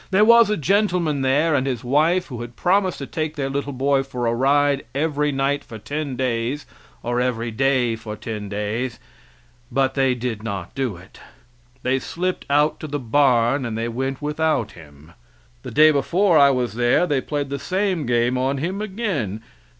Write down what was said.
There was a gentleman there, and his wife, who had promised to take their little boy for a ride every night for ten days, or every day for ten days, but they did not do it. They slipped out to the barn and they went without him. The day before I was there they played the same game on him again.